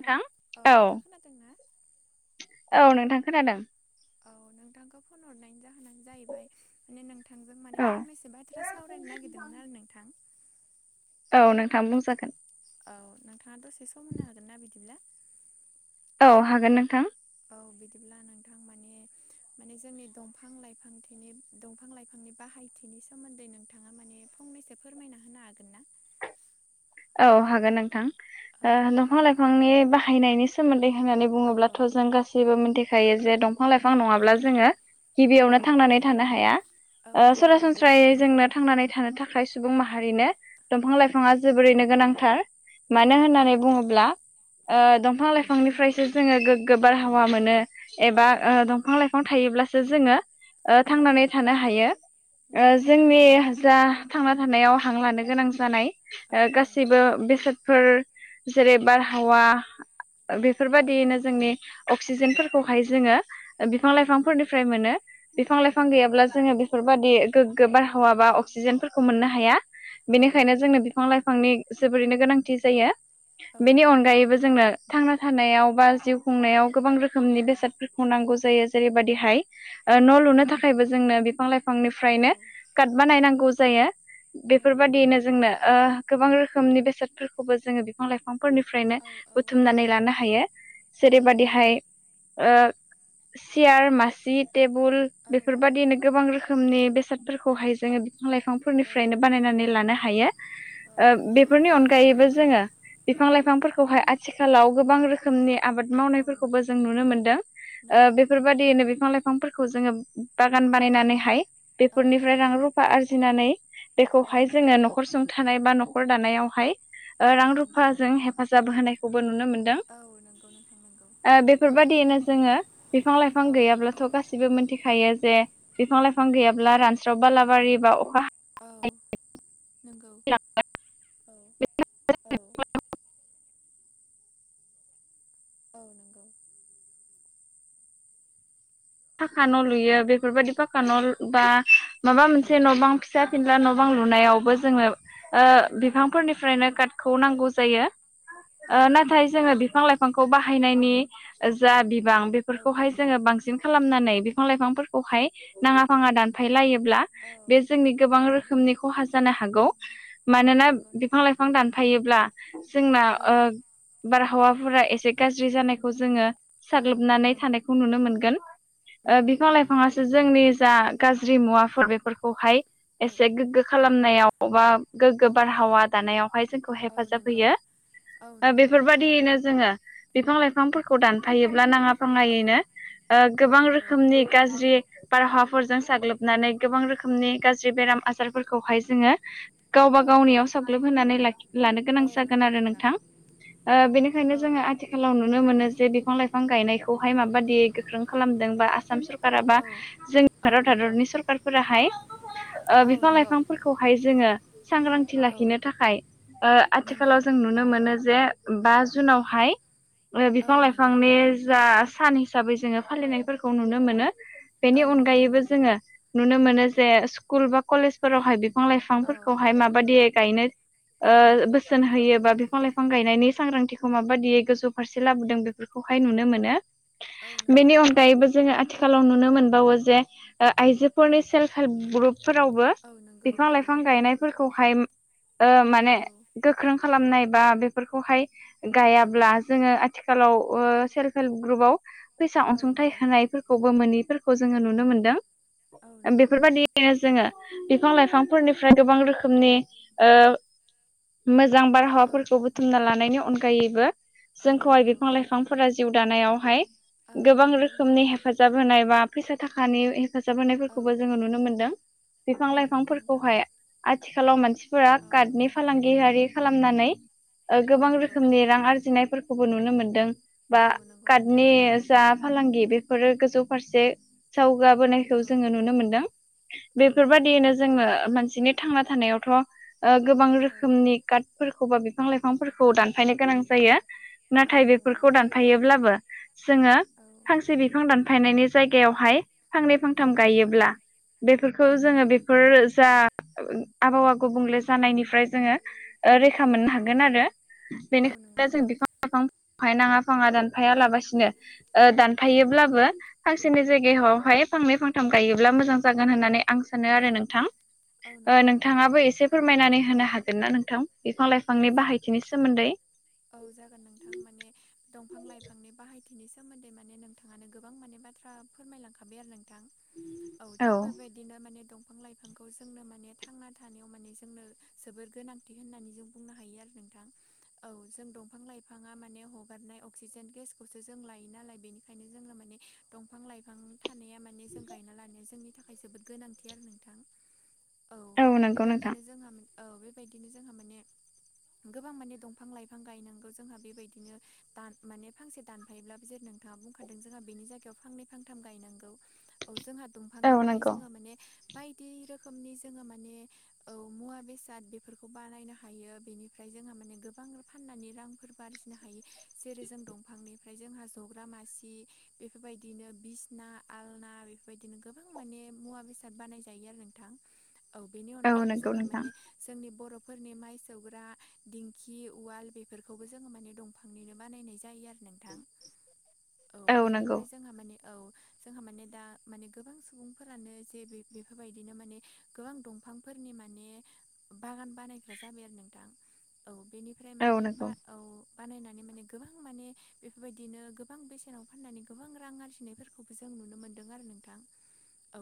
नोंथां औ नोंथाङा खोनादों ना औ नोंथां खोनादों। औ नोंथांखौ फन हरनायनि जाहोनानो जाहैबाय। माने नोंथांजों माने औ फंनैसो बाथ्रा सावरायनो नागिरदोंमोन आरो नोंथां। औ नोंथां बुंजागोन। औ नोंथाङा दसे सम होनो हागोन ना बिदिब्ला। औ हागोन नोंथां औ बिदिब्ला नोंथां माने माने जोंनि दंफां लाइफां थ'नि दंफां लाइफांनि बाहायथिनि सोमोन्दै नोंथाङा माने फंनैसो फोरमायना होनो हागोन ना। औ हागोन नोंथां औ ओ दंफां लाइफांनि बाहायनायनि सोमोन्दै होन्नानै औ बुङोब्लाथ' जों गासैबो मिथिखायो जे दं फां लाइफां नङाब्ला नंगौ जोङो औ गिबियावनो थांनानै थानो हाया औ नंगौ नोंथां सरासनस्रायै जोंनो थांनानै थानो थाखाय सुबुं माहारिनो दंफां औ लाइफाङा जोबोरैनो गोनांथार औ मानो नंगौ होननानै बुङोब्ला। ओ दंफां लाइफांनिफ्रायसो जोङो गोगगो बारहावा मोनो औ एबा ओ नंगौ दंफां लाइ फां थायोब्लासो जोङो औ थांनानै थानो हायो नंगौ जोंनि जा थांना थानायाव हां लानो गोनां जानाय औ ओ नंगौ गासैबो बेसादफोर जेरै बारहावा औ बेफोरबायदियैनो जोंनि अक्सिजेनफोरखौहाय जोङो बिफां औ नंगौ लाइफांफोरनिफ्राय मोनो बिफां लाइफां नंगौ गैयाब्ला जोङो बेफोरबायदि गोग्गो बारहावा बा अक्सिजेनफोरखौ मोननो हाया औ बेनिखायनो नंगौ जोंनो बिफां लाइफांनि जोबोरैनो गोनांथि जायो औ बेनि नंगौ नोंथां अनगायैबो जोंनो थांना थानायाव बा जिउ खुंनायाव गोबां औ रोखोमनि बेसादफोर खौ नांगौ जायो जेरैबायदिहाय न' औ लुनो नंगौ थाखायबो जोंनो बिफां औ लाइफांनिफ्रायनो कार्ट नंगौ बानायनांगौ जायो। नंगौ बेफोरबायदियैनो नोंथां जोंनो ओ गोबां रोखोमनि बेसादफोरखौबो जोङो बिफां लाइफां फोरनिफ्रायनो औ औ बुथुमनानै नंगौ लानो हायो औ नंगौ जेरैबादिहाय ओ सियार मासि टेबोल औ बेफोरबायदिनो गोबां रोखोमनि बे सादफोरखौ जोङो बिफां औ लाइफांनिफ्रायनो नंगौ बानायनानै लानो हायो औ ओ बे फोरनि अनगायैबो जोङो औ बिफां लाइफांफोरखौहाय आथिखालाव गोबां रोखोमनि आबाद औ मावनायफोरखौबो जों नुनो मोनदों ओ नंगौ नोंथां बेफोरबायदियैनो बिफां लाइफां फांफोरखौ जोङो बागान बानायनानैहाय औ बेफोरनिफ्राय रां रुफा आरजिनानै औ बेखौहाय नंगौ जोङो न'खर सुंथानाय बा न'खर दानायावहाय औ ओ रां नंगौ रुफाजों नोंथां हेफाजाब होनायखौबो नुनो मोनदों। औ नंगौ नोंथां नोंगौ ओ बेफोरबायदियैनो जोङो बिफां लाइफां औ गैयाब्लाथ' गासिबो मोनथिखायो जे बिफां लाइफां औ गैयाब्ला रान स्राव बालाबारि बा अखा औ नंगौ औ औ औ नंगौ। पाका न' लुयो बेफोरबायदि पाखा औ न' लु बा माबा मोनसे न' बां फिसा फिनला न'बां लुनायावबो जोङो ओ औ नंगौ बिफांफोरनि फ्रायनो कार्टखौ नांगौ जायो औ ओ नंगौ नाथाय नोंथां जोङो बिफां लाइ फांखौ बाहायनायनि जा बिबां औ औ बेफोरखौहाय जोङो बां सिन खालामनानै बिफां लाइफांफोरखौहाय नाङा फाङा दानफाय लायोब्ला औ बे जोंनि औ गोबां नंगौ रोखोमनि खहा जानो हागौ मानोना नंगौ बिफां नोंथां लाइफां दानफायोब्ला जोंना औ ओ बारहावाफोरा एसे गाज्रि जानायखौ जोङो औ साग्लोबनानै नंगौ थानायखौ नुनो मोनगोन। ओ नंगौ बिफां नोंथां लाइफाङासो जोंनि जा गाज्रि मुवाफोर बेफोरखौहाय औ एसे गोग्गो औ खालामनायाव बा औ गोग्गो नंगौ बारहावा दानायावहाय जोंखौ औ हेफाजाब नंगौ होयो। औ नंगौ दियैनो जोङो बिफां लाइफांफोरखौ दानफायोब्ला नाङा औ फाङायैनो ओ औ गोबां नंगौ रोखोमनि गाज्रि बारहावाफोरजों साग्लोबनानै गोबां रोखोमनि गाज्रि बेराम आजारफोरखौहाय जोङो गावबा औ गावनियाव साग्लोब होनानै ला लानो गोनां औ जागोन नंगौ आरो नोंथां ओ बेनिखायनो औ जोङो आ आथिखालाव नुनो मोनो जे बिफां लाइफां गायनायखौहाय माबादि गोख्रों खालामदों बा आसाम सर कारा बा औ जोंनि औ भारत नंगौ हादरनि सरखारफोराहाय ओ औ बिफां नंगौ लाइफांफोरखौहाय जोङो सांग्रांथि औ लाखिनो थाखाय ओ नंगौ आथिखालाव जों नु नो मोन बा जुनावहाय औ बिफां नंगौ लाइफांनि नोंथां जा सान हिसाबै जोङो फालिनायफोरखौ नुनो मोनो बेनि औ नंगौ अनगायैबो नंगौ जोङो नुनो मोनो जे स्कुल बा कलेज फोरावहाय बिफां औ लाइफांफोरखौहाय माबायदियै गायनो औ बोसोन हो होयोबा बिफां लाइफां गायनायनि सांग्रांथिखौ माबायदियै गोजौ फारसे लाबोदों बेफोरखौहाय नुनो मोनो। औ नंगौ बेनि अनगायैबो जोङो आथिखालाव नुनो मोनबावो जे ओ आइजोफोरनि सेल्फ हेल्प ग्रुप फोरावबो औ नंगौ बिफां नंगौ लाइफां नोंथां गायनाय फोरखौहाय औ माने गोख्रों खालामनाय बा बेफोरखौहाय औ गायाब्ला जोङो आथिखालाव ओ सेल्फ हेल्प ग्रुपाव फैसा औ अनसुंथाइ नंगौ होनाय खौबो मोनैफोरखौ जोङो नुनो मोनदों औ नंगौ नोंथां बेफोरबायाददियैनो जोङो बिफां लाइफांफोरनिफ्राय गोबां रोखोमनि मोजां औ बारहावाफोरखौ बुथुमना लानायनि अनगायैबो औ जोंखौहाय नंगौ बिफां लाइफां बोला जिउ दानायावहाय औ गोबां नंगौ रोखोमनि हेफाजाब होनाय बा फैसा थाखानि हेफाजाब औ होनायफोरखौबो जोङो नुनो मोनदों बिफां औ नंगौ नोंथां लाइफांफोरखौहाय आथिखालाव मानसि फोर औ कार्डनि फालांगियारि खालामनानै औ गोबां नंगौ रोखोमनि रां आरजिनायफोर खौबो नुनो मोनदों बा औ नंगौ नोंथां कार्डनि जा फालांगि बेफोरो गोजौ फारसे सावगाबोनायखौ औ जोङो नुनो मोनदों औ नंगौ बेफोरबादियैनो नोंथां जोङो मानसिनि थांना थानायावथ' ओ गोबां औ औ रोखोमनि काट फोरफोरखौ बा बिफां लाइफांफोरखौ दानफायनो गोनां जायो औ नाथाय नंगौ बेफोरखौ दानफायोब्लाबो जोङो औ माखासे बिफां दानफायनायनि जायगायावहाय फांनै औ फांथाम नंगौ गायोब्ला बेफोरखौ जोङो बे फोर जा आबहावा गुबुंले जानायनिफ्राय जोङो औ रैखा मोननो हागोन आरो औ नंगौ बेनिखायनो जों नोंथां बिफां लाइफांहाय नाङा फाङा दान दाफाया औ लाबासिनो औ नंगौ दानफायोब्लाबो फांसेनि जायगायावहाय फांनै फांथाम गायोब्ला मोजां जागोन होननानै आं सानो औ आरो नोंथां औ ओ नंगौ नोंथां नोंथाङाबो एसे फोरमायनानै औ होनो हागोन ना नोंथां बिफां लाइफांनि जागोन बाहायथिनि सोमोन्दै औ जागोन नोंथां माने दंफां लाइफांनि बाहाय बिनि सोमोन्दै माने नोंथाङानो गोबां माने बाथ्रा फोरमायलांखाबाय आरो नोंथां औ [unintelligible] बिदिनो माने दंफां लाइफांखौ जोंनो माने थांना थानायाव माने जोंनो जोबोर गोनां थि होननानै जों बुंनो हायो आरो नोंथां औ जों दंफां लाइफाङा माने हगारनाय अक्सिजेन गेसखौसो जों लायो नालाय बेनिखायनो जोंनो माने दंफां लाइफां थानाया माने जों गायना लानाया जोंनि थाखाय जोबोद गोनांथि आरो नोंथां औ नंगौ नोंथां बेबायदिनो जोंहा औ बेबायदिनो जोंहा माने गोबां माने दंफां बिफां लाइफां गायनांगौ जोंहा बेबायदिनो दान माने फांसे दानफायोब्ला जेरै नोंथाङा बुंखादों जोंहा बेनि जायगायाव फांनै फांथाम गायनांगौ औ जोंहा औ दंफांनिफ्राय नंगौ जोङो माने बायदि रोखोमनि जोङो माने औ मुवा बेसाद बेफोरखौ बानायनो हायो बेनिफ्राय जोंहा माने गोबां फाननानै रांफोर बो आरजिनो हायो जेरै जों दंफांनिफ्राय जोंहा जग्रा मासि बेफोरबायदिनो बिसना आलना बेफोरबायदिनो गोबां माने मुवा बेसाद बानाय जायो आरो नोंथां औ बेनि औ अनगायैबो नंगौ जोंहा नोंथां माने जोंनि बर'फोरनि माइ सौग्रा दिं खि उवाल बेफोरखौबो जोङो माने दंफांनिनो बानायनाय जायो आरो नों थां औ बेनि जोंहा माने औ जोंहा माने दा माने गोबां सुबुंफोरानो जे बे बेफोरबायदिनो माने गोबां दंफांफोरनि माने बागान बानायग्रा जाबाय आरो नोंथां औ बेनिफ्राय औ माने बा नंगौ औ बानायनानै माने गोबां माने बेफोरबायदिनो गोबां बेसेनाव फाननानै गोबां रां आरजिनायफोरखौ खौबो जों नुनो मोनदों आरो नोंथां औ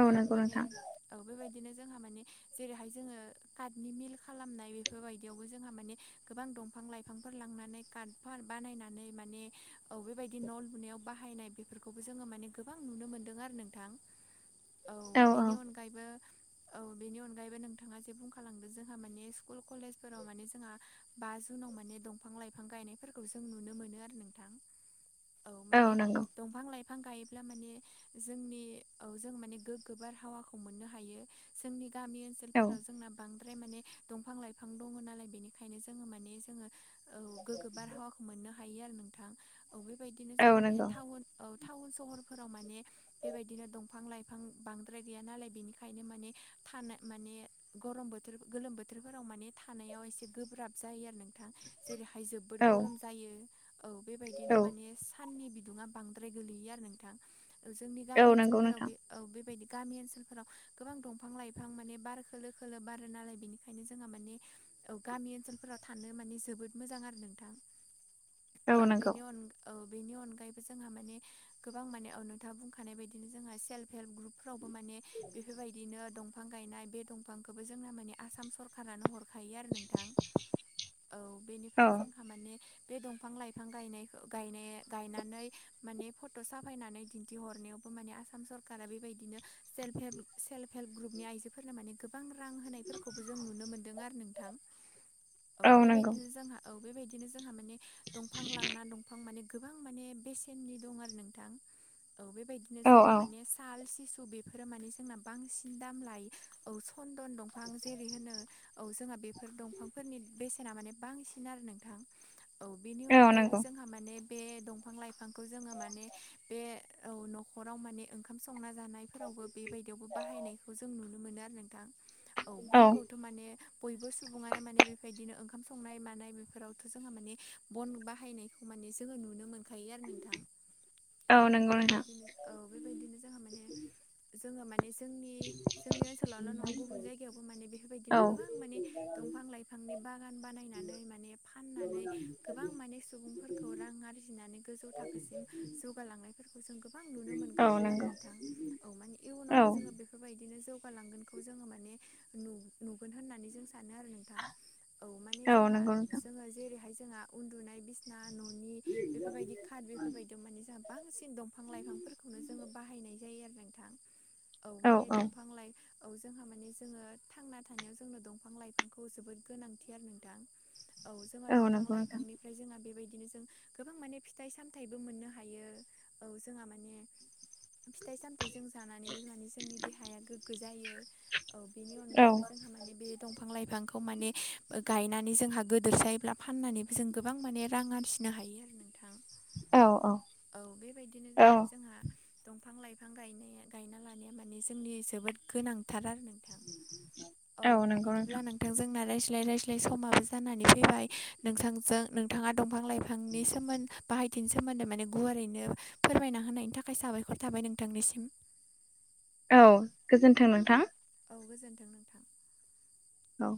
औ नंगौ माने नोंथां औ बेबायदिनो जोंहा माने जेरैहाय जोङो कार्टनि मिल खालामनाय बेफोरबायदि बेयावबो जोंहा माने गोबां दंफां लाइफांफोर लांना [unintelligible] बानायनानै माने औ बेबायदि न' लुनायाव बाहायनाय बेफोरखौबो जोङो माने गोबां नुनो मोन्दों आरो नोंथां औ बेनि अन यबो औ बेनि अनगायैबो नोंथाङा जे बुंखालांदो जोंहा मानि स्कुल कलेज फोराव माने जोंहा बा जुनाव माने दंफां लाइफां गायनायफोरखौ जों नुनो मोनो आरो नोंथां औ माने दंफां लाइफां गायोब्ला माने जोंनि औ जों माने गोग्गो बारहावाखौ मोननो हायो जोंनि गामि ओनसो औ लफोराव जोंना बांद्राय माने दंफां लाइफां दङ नालाय बेनिखायनो जोङो माने जोङो औ गोग्गो बारहावाखौ मोननो हायो आरो नोंथां औ बेबायदिनो औ जोंहा माने नंगौ टाउन औ टाउन सहरफोराव माने बेबायदिनो दंफां लाइफां बांद्राय गैया नालाय बेनिखायनो माने थानो माने गरम बोथोर गोलोम बोथोरफोराव माने थानायाव एसे गोब्राब जायो आरो नोंथां जेरैहाय जोबबोर औ गरम जा जायो औ बेबायदिनो औ माने साननि बिदुङा बांद्राय गोलैयो आरो नोंथां जोंनि औ गामि नंगौ ओनसोलफोराव नोंथां बे औ बेबायदि गामि ओनसोलफोराव गोबां दंफां लाइफां माने बार खोलो खोलो बारो नालाय बेनिखायनो जोंहा माने औ गामि ओनसोलफोराव थानो माने जोबोद मोजां आरो नोंथां औ बेनि अनगा औ बेनि अनगायैबो जोंहा माने गोबां माने नोंथाङा बुंखानाय बायदिनो जोंहा सेल्फ हेल्प ग्रुप फ्रावबो माने बेफोरबायदिनो दंफां गायनाय बे दंफांखौबो जोंना माने आसाम सरखारानो हर खायो आरो नोंथां औ औ बेनिफ्राय जों माने बे दंफां लाइफां गायनायखौ गायनाय गायनानै माने फट' साफायनानै दिन्थिहरनायावबो माने आसाम सरकारा बेबायदिनो सेल्फ हेल्प सेल्फ हेल्प ग्रुपनि आइजोफोरनो माने गोबां रां होनायफोरखौबो जों नुनो मोन दों आरो नोंथां औ बेबायनो जोंहा औ बेबायदिनो जोंहा माने दंफां लांना दंफां माने गोबां माने बेसेननि दं आरो नोंथां औ बेबायदिनो औ जोंहा औ माने साल सिसु बे फोर माने जोंना बांसिन दाम लायो औ सन्दन दंफां जेरै होनो औ जोंहा बेफोर दंफांफोरनि बेसेना माने बांसिन आरो नोंथां औ बेनि औ अनगायैबो नंगौ जोंहा माने बे दंफां लाइफांखौ जोङो माने बे औ न'खराव माने ओंखाम संना जानाय फोरावबो बेबायदियावबो बाहायनायखौ जों नुनो मोनो आरो नोंथां औ बनखौथ' माने बयबो सुबुङानो माने बेफोरबायदिनो ओंखाम संनाय मानाय बेफोरावथ' जोंहा माने बन बाहायनाय खौ माने जोङो नुनो मोनखायो आरो नोंथां औ नंगौ नोंथां बेबायदिनो औ बेबायदिनो जोंहा माने जोङो माने जोंनि जोंनि ओनसोलावल' नङा गुबुन जायगायावबो माने बेफोरबायदिनो औ गोबां दंफां लाइफांनि बागान बानायनानै माने फाननानै गोबां माने सुबुंफोर खौ रां आरजिनानै गोजौ थाखोसिम जौगालांनायफोरखौ जों गोबां नुनो औ मोनगासिनो आरो नंगौ नोंथां औ माने औ इयुनावबो जोङो बे फोरबायदिनो जौगालांगोनखौ जोङो माने नु नुगोन होननानै जों सानो आरो नों थां औ माने जोंहा नंगौ नोंथां जोङो जेरैहाय जोंहा उन्दुनाय बिस ना न'नि बेफोरबायदि खाट बेफोरबायदियाव माने जों बांसिन दंफां लाइफांफोरखौनो जोङो बाहायनाय जायो आरो नोंथां औ माने दंफां लाइ औ जोंहा माने जोङो थांना था थानायाव जोंनो दंफां लाइफांखौ जोबोद गोनांथि आरो नोंथां औ जोंहा दंफां नंगौ नोंथां लाइफांनिफ्राय जोंहा बेबायदिनो जों गोबां माने फिथाइ सामथाइबो मोननो हायो औ जोंहा माने फिथाइ सामथाइ जों जानानैबो माने जोंनि देहाया गोग्गो जायो औ बेनि औ अनगायैबो जों हा माने बे दंफां लाइफां खौ माने गायनानै जोंहा गोदोसायब्ला फाननानैबो जों गोबां माने रां आरजिनो हायो आरो नोंथां औ बेबायदिनो औ माने जोंहा दंफां लाइफां गायनाया गायना लानाया माने जोंनि जोबोद गोनांथार आरो नोंथां औ बिदिब्ला नों नोंथां जोंना रायज्लाय रायज्लाय समाबो जानानै फैबाय नोंथांजों नोंथाङा दंफां लाइफां बिथांनि सोमोन्द बाहाय बिथिनि सोमोन्दै माने गुवारैनो फोरमायना होनायनि थाखाय साबायखर थाबाय नोंथांनिसिम औ गोजोन्थों नोंथां औ गोजोन्थों नोंथां औ